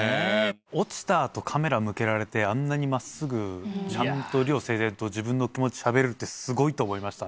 落ちた後カメラ向けられてあんなに真っすぐちゃんと理路整然と自分の気持ちしゃべるってすごいと思いました。